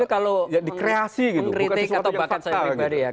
kalau mengkritik atau bahkan saya berkata